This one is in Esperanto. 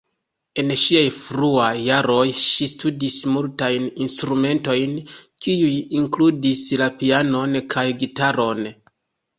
En ŝiaj fruaj jaroj ŝi studis multajn instrumentojn, kiuj inkludis la pianon kaj gitaron.